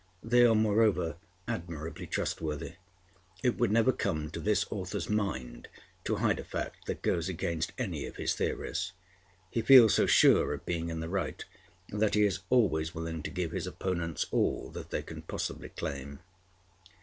They are moreover admirably trustworthy. It would never come to this author's mind to hide a fact that goes against any of his theories. He feels so sure of being in the right that he is always willing to give his opponents all that they can possibly claim.